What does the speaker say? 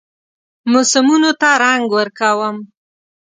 موسمونو ته رنګ ورکوم